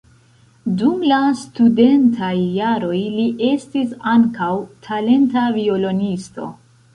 Dum la studentaj jaroj li estis ankaŭ talenta violonisto.